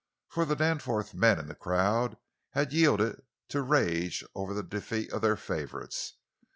For the Danforth men in the crowd had yielded to rage over the defeat of their favorites.